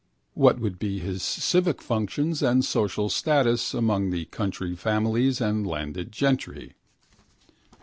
What would be his civic functions and social status among the county families and landed gentry?